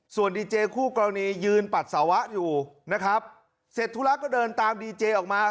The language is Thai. ส่วนดีเจคู่กรณียืนปัสสาวะอยู่นะครับเสร็จธุระก็เดินตามดีเจออกมา